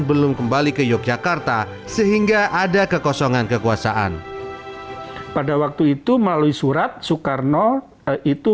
belum kembali ke yogyakarta sehingga ada kekosongan kekuasaan pada waktu itu melalui surat soekarno itu